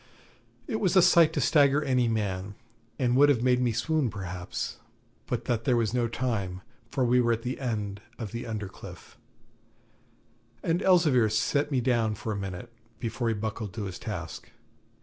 It was a sight to stagger any man, and would have made me swoon perhaps, but that there was no time, for we were at the end of the under cliff, and Elzevir set me down for a minute, before he buckled to his task.